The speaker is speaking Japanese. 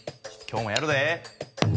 今日もやるで！